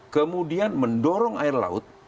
kemudian mendorong air laut